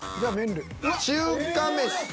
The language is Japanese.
中華飯。